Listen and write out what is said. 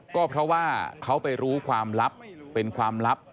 ก็เพราะว่าเขาไปรู้ความลับเป็นความลับ